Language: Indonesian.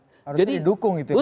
harusnya didukung itu ya bang